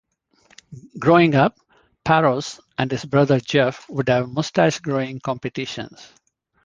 Growing up, Parros and his brother Jeff would have mustache-growing competitions.